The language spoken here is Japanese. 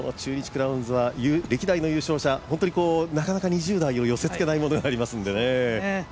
クラウンズは歴代の優勝者、本当に２０代を寄せ付けないものがありますからね。